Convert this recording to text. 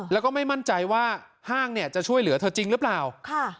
แล้วก็ไม่มั่นใจว่าห้างเนี่ยจะช่วยเหลือเธอจริงหรือเปล่าค่ะ